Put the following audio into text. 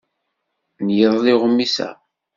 N yiḍelli uɣmis-a.